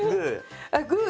グー。